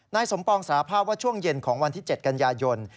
นายสมปองสารภาพว่าช่วงเย็นของวันที่๗กันยายน